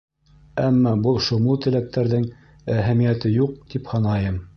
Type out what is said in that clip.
Әммә был шомло теләктәрҙең әһәмиәте юҡ, тип һанайым.